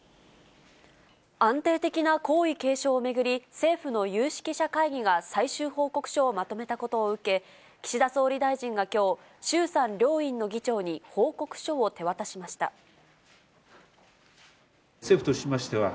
安定的な皇位継承を巡り、政府の有識者会議が最終報告書をまとめたことを受け、岸田総理大臣がきょう、衆参両院の議長に報告書を手渡しました。